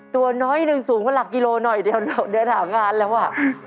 ตัวน้อยหนึ่งสูงกว่าหลักกิโลหน่อยเดียวเดินหางานแล้วอ่ะ